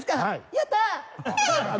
やったー！